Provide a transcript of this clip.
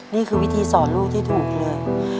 นี่คือวิธีสอนลูกที่ถูกเลย